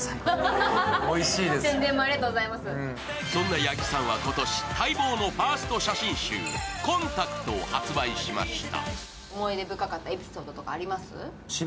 そんな八木さんは今年、待望のファースト写真集、「ＣＯＮＴＡＣＴ」を発売しました。